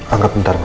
anggap bentar mbak